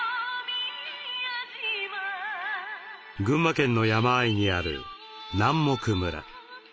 群馬県の山あいにある南牧村。